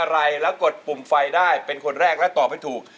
อะไรแล้วกดปุ่มไฟได้เป็นคนแรกและตอบให้ถูก